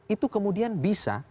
itu kemudian bisa